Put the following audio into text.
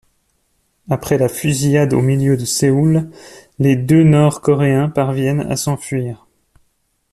Après la fusillade au milieu de Séoul, les deux Nord-Coréens parviennent à s'enfuir.